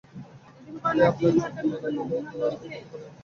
তাই আপনার যুক্তি মেনে নিলে তো আমি বলতে পারি আমাকে হেনস্থা করা হচ্ছে।